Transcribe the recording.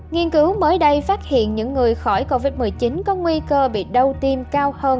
nghiên cứu mới đây phát hiện những người khỏi covid một mươi chín có nguy cơ bị đau tim cao hơn sáu mươi ba